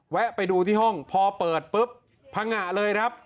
ไปดูที่ห้องพอเปิดปุ๊บพังงะเลยครับ